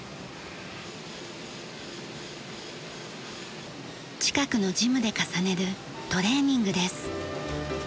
近くのジムで重ねるトレーニングです。